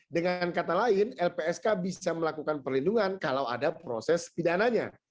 dengan kata lain lpsk bisa melakukan perlindungan kalau ada proses pidananya